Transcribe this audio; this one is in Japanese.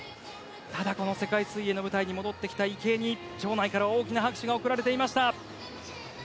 ただ、この世界水泳の舞台に戻ってきた池江に場内から大きな拍手が送られていました。